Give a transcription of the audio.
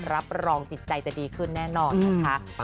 รับรองจิตใจจะดีขึ้นแน่นอนนะคะ